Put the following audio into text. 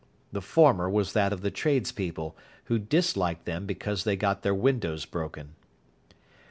The former was that of the tradespeople, who disliked them because they got their windows broken.